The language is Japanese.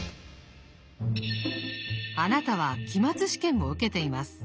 あなたは期末試験を受けています。